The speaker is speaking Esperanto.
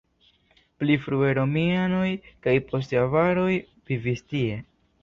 Pli frue romianoj kaj poste avaroj vivis tie.